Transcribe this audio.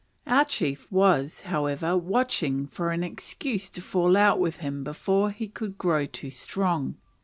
Our chief was, however, watching for an excuse to fall out with him before he should grow too strong.